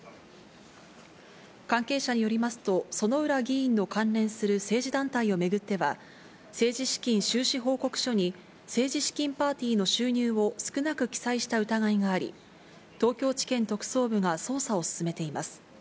関係者によりますと、薗浦議員の関連する政治団体を巡っては、政治資金収支報告書に、政治資金パーティーの収入を少なく記載した疑いがあり、東京地検特捜部が捜査を進めています。